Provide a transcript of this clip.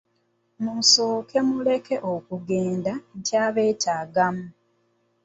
Musooke muleke okugenda nkyabeetaagamu.